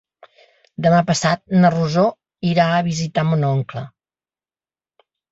Demà passat na Rosó irà a visitar mon oncle.